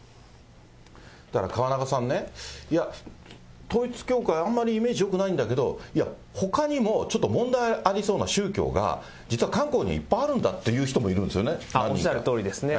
だから、河中さんね、いや、統一教会、あんまりイメージよくないんだけど、いや、ほかにもちょっと問題ありそうな宗教が、実は韓国にはいっぱいあるんだって言う人もいるんですよね、日本おっしゃるとおりですね。